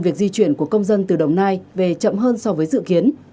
việc di chuyển của công dân từ đồng nai về chậm hơn so với dự kiến